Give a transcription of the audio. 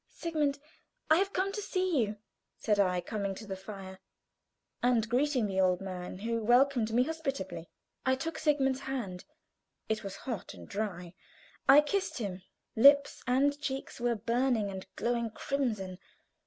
"Sigmund, I have come to see you," said I, coming to the fire and greeting the old man, who welcomed me hospitably. I took Sigmund's hand; it was hot and dry. I kissed him; lips and cheeks were burning and glowing crimson.